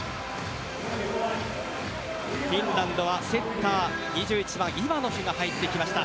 フィンランドはセッター、２１番イワノフが入ってきました。